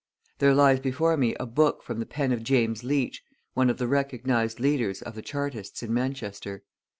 There lies before me a book from the pen of James Leach, one of the recognised leaders of the Chartists in Manchester.